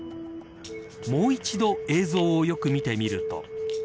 もう一度映像をよく見てみると。